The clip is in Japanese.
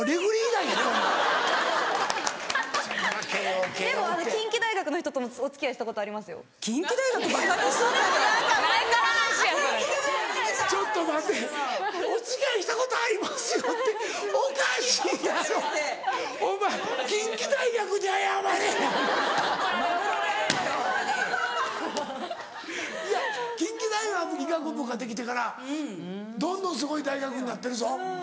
・いや近畿大学医学部ができてからどんどんすごい大学になってるぞ。